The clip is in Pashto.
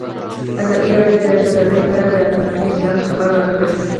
ازادي راډیو د سوداګري په اړه د قانوني اصلاحاتو خبر ورکړی.